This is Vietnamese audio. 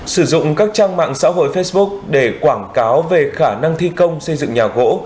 sử dụng các trang mạng xã hội facebook để quảng cáo về khả năng thi công xây dựng nhà gỗ